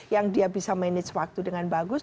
yang dia bisa manage waktu dengan bagus